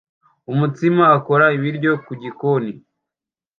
Umutsima akora ibiryo ku gikoni